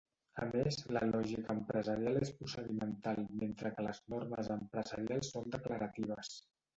A més, la lògica empresarial és procedimental mentre que les normes empresarials són declaratives.